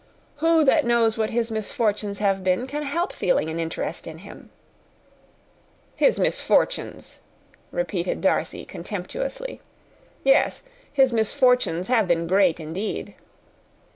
"Who that knows what his misfortunes have been can help feeling an interest in him?" "His misfortunes!" repeated Darcy, contemptuously, "yes, his misfortunes have been great indeed."